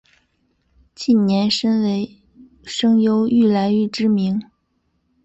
近年身为声优愈来愈知名。